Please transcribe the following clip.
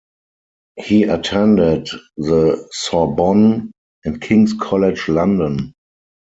He attended the Sorbonne and King's College London.